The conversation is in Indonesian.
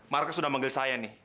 markas sudah manggil saya nih